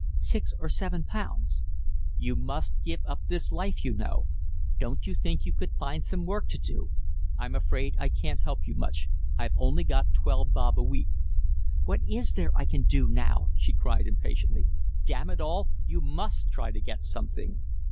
"Six or seven pounds." "You must give up this life, you know. Don't you think you could find some work to do? I'm afraid I can't help you much. I only get twelve bob a week." "What is there I can do now?" she cried impatiently. "Damn it all, you MUST try to get something."